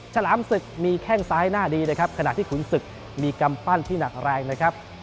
ฉลามศึกมีแข้งซ้ายหน้าดีนะครับขณะที่ขุนศึกมีกำปั้นที่หนักแรงนะครับ